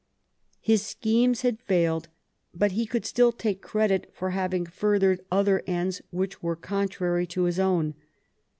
His schemes had failed; hut he could still take credit for having furthered other ends which were contrary to his own.